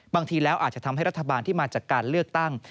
บางทีแล้วอาจจะทำให้รัฐบาลที่มาจากการเลือกตั้ง